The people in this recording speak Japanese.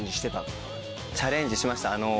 チャレンジしました。